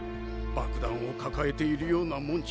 爆弾を抱えているようなもんじゃ。